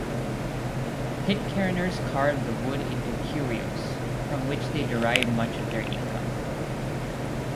Pitcairners carve the wood into curios, from which they derive much of their income.